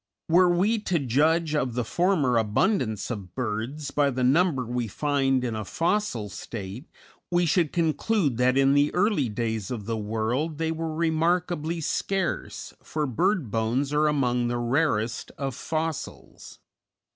Were we to judge of the former abundance of birds by the number we find in a fossil state, we should conclude that in the early days of the world they were remarkably scarce, for bird bones are among the rarest of fossils.